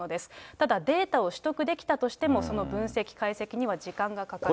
ただ、データを取得できたとしても、その分析、解析には時間がかかると。